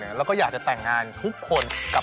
คือมันไม่ธรรมดานะครับ